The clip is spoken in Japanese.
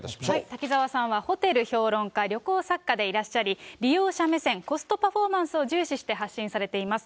瀧澤さんはホテル評論家、旅行作家でいらっしゃり、利用者目線、コストパフォーマンスを重視して発信されています。